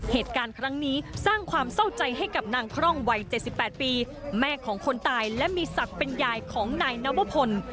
เหตุการณ์ครั้งนี้สร้างความเศร้าใจให้กับนางคร่องวัย๗๘ปีแม่ของคนตายและมีศักดิ์เป็นยายของนายนวพล